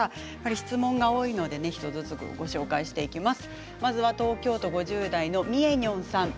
質問が多いのでご紹介していきます。